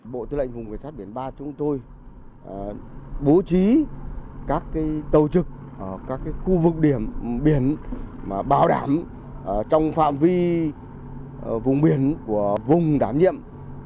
bộ tư lệnh vùng biển sát biển ba chúng tôi bố trí các tàu trực các khu vực biển bảo đảm trong phạm vi vùng biển của vùng đám nhiệm